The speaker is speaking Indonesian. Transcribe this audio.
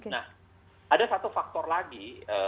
nah ada satu faktor lagi